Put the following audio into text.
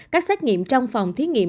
các xét nghiệm trong phòng thí nghiệm